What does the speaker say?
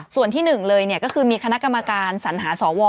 ส่วนที่๑เลยก็คือมีคณะกรรมการสัญหาสว